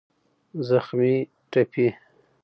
زخمي √ ټپي